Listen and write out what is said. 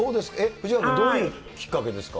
藤ヶ谷君、どういうきっかけですか。